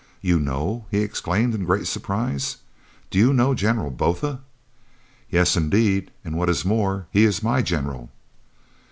"You know!" he exclaimed in great surprise. "Do you know General Botha?" "Yes, indeed. And what is more, he is my General."